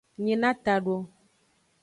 Nyina tado.